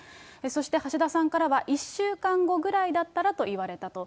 そして、橋田さんからは、１週間後ぐらいだったらと言われたと。